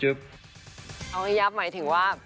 เอาให้ยับหมายถึงว่า